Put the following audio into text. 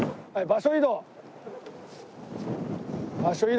場所移動。